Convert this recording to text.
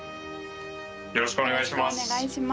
よろしくお願いします。